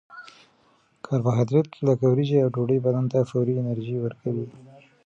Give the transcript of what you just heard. کاربوهایدریت لکه وریجې او ډوډۍ بدن ته فوري انرژي ورکوي